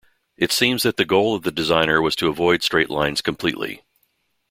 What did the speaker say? It seems that the goal of the designer was to avoid straight lines completely.